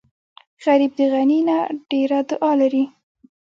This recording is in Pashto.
غریب د غني نه ډېره دعا لري